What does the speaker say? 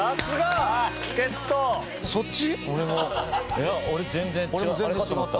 いや俺全然違った。